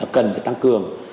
cần phải tăng cường